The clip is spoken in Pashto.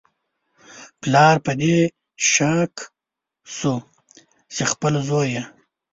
پلار په دې شاک شو چې خپل زوی یې